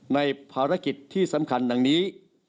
ในภารกิจที่สำคัญดังนี้